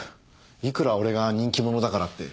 いくら俺が人気者だからって。